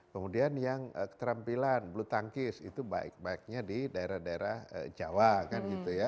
kemudian yang keterampilan bulu tangkis itu baik baiknya di daerah daerah jawa kan gitu ya